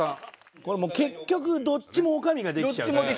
これも結局どっちも女将ができちゃうっていうね。